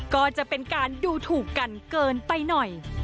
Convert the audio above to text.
ก็จะเป็นการดูถูกกันเกินไปหน่อย